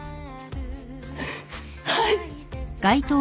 はい。